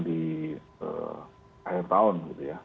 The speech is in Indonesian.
di akhir tahun